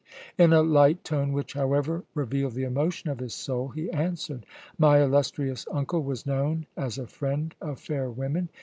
In a light tone which, however, revealed the emotion of his soul, he answered: "My illustrious uncle was known as a friend of fair women.